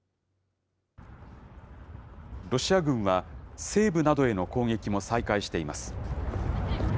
ロシア軍は、西部などへの攻撃も再開しています。